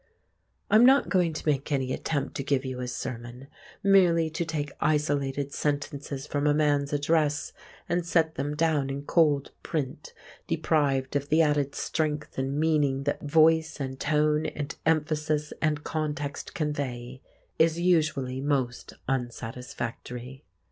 I am not going to make any attempt to give you his sermon: merely to take isolated sentences from a man's address, and set them down in cold print, deprived of the added strength and meaning that voice and tone and emphasis and context convey, is usually most unsatisfactory.